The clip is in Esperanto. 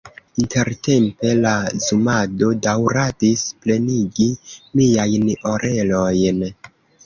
Intertempe la zumado daŭradis plenigi miajn orelojn.